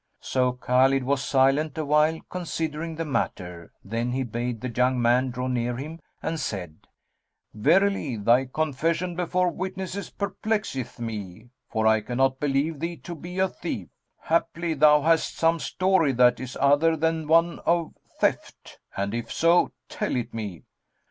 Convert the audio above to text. '"[FN#220] So Khбlid was silent awhile considering the matter then he bade the young man draw near him and said, "Verily, thy confession before witnesses perplexeth me, for I cannot believe thee to be a thief: haply thou hast some story that is other than one of theft; and if so tell it me."